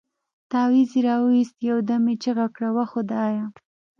تاويز يې راوايست يو دم يې چيغه کړه وه خدايه.